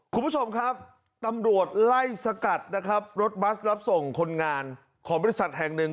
คุณผู้ชมครับตำรวจไล่สกัดนะครับรถบัสรับส่งคนงานของบริษัทแห่งหนึ่ง